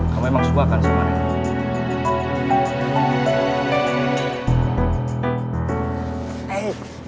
kamu emang suka kan sama rey